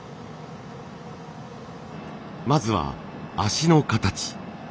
まずは脚の形。